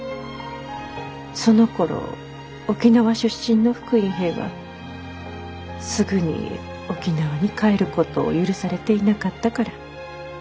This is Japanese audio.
そのころ沖縄出身の復員兵はすぐに沖縄に帰ることを許されていなかったから。